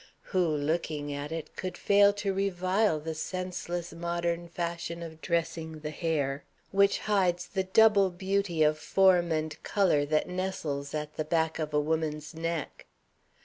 Who, looking at it, could fail to revile the senseless modern fashion of dressing the hair, which hides the double beauty of form and color that nestles at the back of a woman's neck?